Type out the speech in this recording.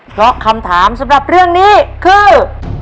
เพราะคำถามสำหรับเรื่องนี้คือ